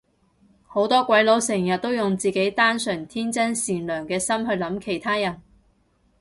好多鬼佬成日都用自己單純天真善良嘅心去諗其他人